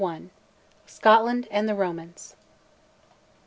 SCOTLAND AND THE ROMANS.